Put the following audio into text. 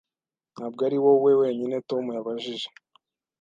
Ntabwo ari wowe wenyine Tom yabajije.